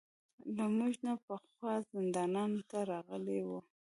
له موږ نه پخوا زندان ته راغلي وو.